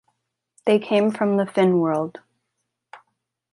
They come from the Finn world.